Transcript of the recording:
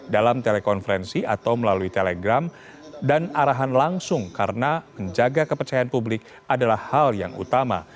dalam telekonferensi atau melalui telegram dan arahan langsung karena menjaga kepercayaan publik adalah hal yang utama